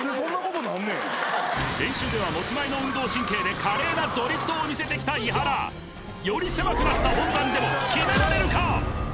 練習では持ち前の運動神経で華麗なドリフトを見せてきた伊原より狭くなった本番でも決められるか？